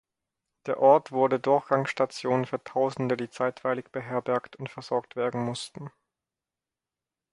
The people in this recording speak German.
Der Ort wurde Durchgangsstation für Tausende, die zeitweilig beherbergt und versorgt werden mussten.